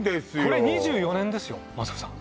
これ２４年ですよマツコさん